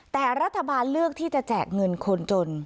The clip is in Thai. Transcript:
แต่รัฐบาลเลือกที่จะแจกเงินคนจน